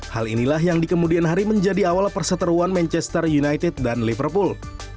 hal inilah yang di kemudian hari menjadi awal perseteruan manchester united dan liverpool